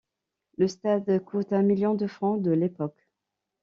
Le stade coûte un million de francs de l'époque.